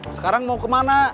sekarang mau ke mana